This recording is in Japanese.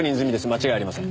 間違いありません。